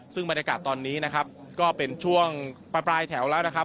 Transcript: ซึ่งบรรยากาศตอนนี้นะครับก็เป็นช่วงปลายแถวแล้วนะครับ